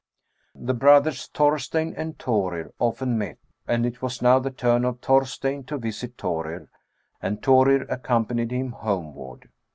" The brothers (Thorsteinn and Thorir) often met, and it was now the turn of Thorsteinn to visit Thorir, and Thorir accompanied him homeward.